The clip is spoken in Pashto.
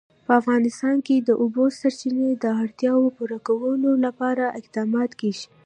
په افغانستان کې د د اوبو سرچینې د اړتیاوو پوره کولو لپاره اقدامات کېږي.